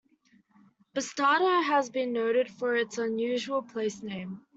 Bastardo has been noted for its unusual place name.